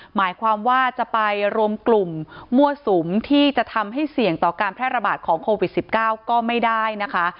หมายความว่าจะไปรวมกลุ่มมั่วสุมที่จะทำให้เสี่ยงต่อการแพร่ระบาดของโควิด๑๙ก็ไม่ได้นะคะ